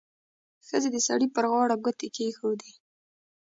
ښځې د سړي پر غاړه ګوتې کېښودې.